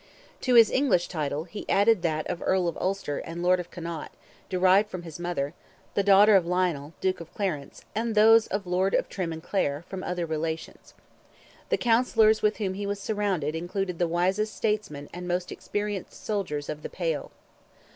To his English title, he added that of Earl of Ulster and Lord of Connaught, derived from his mother, the daughter of Lionel, Duke of Clarence, and those of Lord of Trim and Clare, from other relations. The counsellors with whom he was surrounded included the wisest statesmen and most experienced soldiers of "the Pale."